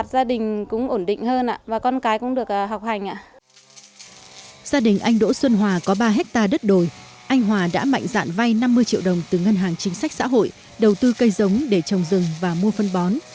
gia đình anh đỗ xuân hòa có ba hectare đất đồi anh hòa đã mạnh dạn vay năm mươi triệu đồng từ ngân hàng chính sách xã hội đầu tư cây giống để trồng rừng và mua phân bón